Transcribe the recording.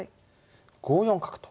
５四角と。